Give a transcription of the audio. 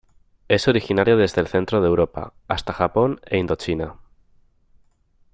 Es originario desde el centro de Europa hasta Japón e Indochina.